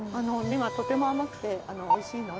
今とても甘くておいしいので。